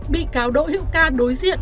bị cáo đội hiệu ca đối diện